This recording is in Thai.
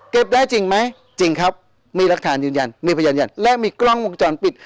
ได้จริงไหมจริงครับมีรักฐานยืนยันมีพยานยันและมีกล้องวงจรปิด